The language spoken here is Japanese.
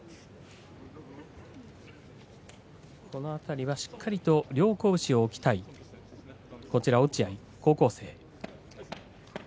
このあたりはしっかりと両拳を置きたい落合、高校生。